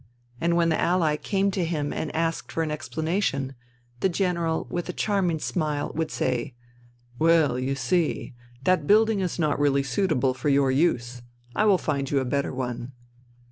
And when the Ally came to him and asked for explanation, the General, with a charming smile, would say, " Well, you see that building is not really suitable for your use. I will find you a better one."